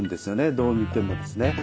どう見てもですね。